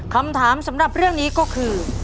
คำถามสำหรับเรื่องนี้ก็คือ